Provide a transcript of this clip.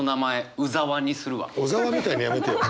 「小沢」みたいなのやめてよ。